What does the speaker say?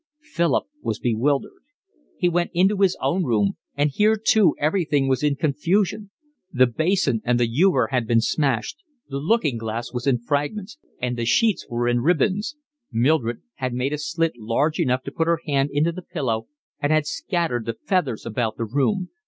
Philip was bewildered. He went into his own room, and here too everything was in confusion. The basin and the ewer had been smashed, the looking glass was in fragments, and the sheets were in ribands. Mildred had made a slit large enough to put her hand into the pillow and had scattered the feathers about the room.